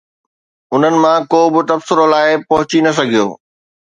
انهن مان ڪو به تبصرو لاء پهچي نه سگهيو